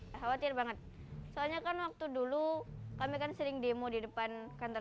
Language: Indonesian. khawatir banget sama jangan waktu dulu kami akan seiring demo di depan kantor